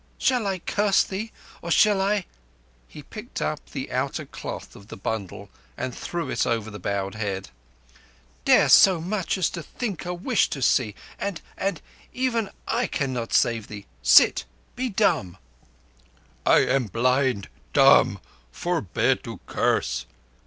"Shall I curse thee, or shall I—" He picked up the outer cloth of the bundle and threw it over the bowed head. "Dare so much as to think a wish to see, and—and—even I cannot save thee. Sit! Be dumb!" "I am blind—dumb. Forbear to curse!